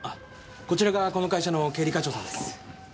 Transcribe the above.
こちらがこの会社の経理課長さんです。